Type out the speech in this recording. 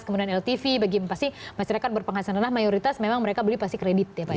kemudian ltv bagi masyarakat berpenghasilan rendah mayoritas memang mereka beli pasti kredit ya pak ya